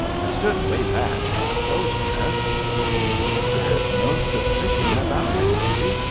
I stood way back by the clothes press." "There's no suspicion about it, Billy.